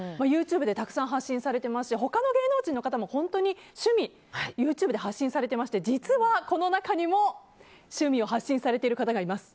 ＹｏｕＴｕｂｅでたくさん発信されていますし他の芸能人の方も趣味をＹｏｕＴｕｂｅで発信されてまして実はこの中にも趣味を発信されている方がいます。